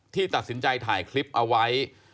ที่ตัดสินใจถ่ายคลิปเอาไว้